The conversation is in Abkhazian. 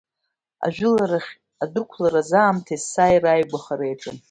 Ажәыларахь адәықәлараз аамҭа есааира ааигәахара иаҿын.